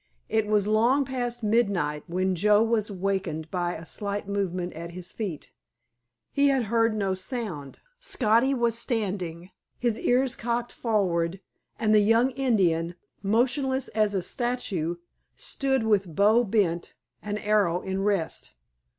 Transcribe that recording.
It was long past midnight when Joe was awakened by a slight movement at his feet. He had heard no sound. Spotty was standing, his ears cocked forward, and the young Indian, motionless as a statue, stood with bow bent, an arrow in rest.